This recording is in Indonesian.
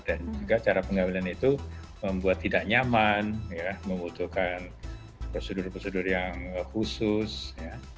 dan juga cara pengambilan itu membuat tidak nyaman ya membutuhkan prosedur prosedur yang khusus ya